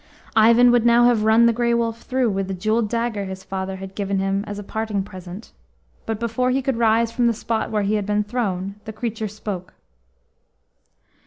Ivan would now have run the Grey Wolf through with the jewelled dagger his father had given him as a parting present, but before he could rise from the spot where he had been thrown, the creature spoke.